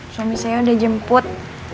suami saya udah jemput